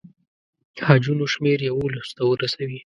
حجونو شمېر یوولسو ته ورسوي.